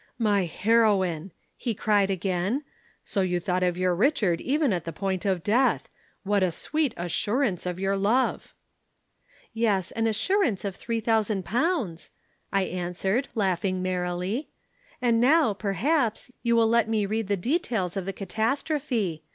"'My heroine!' he cried again. 'So you thought of your Richard even at the point of death. What a sweet assurance of your love!' "'Yes, an assurance of three thousand pounds,' I answered, laughing merrily. 'And now, perhaps, you will let me read the details of the catastrophe.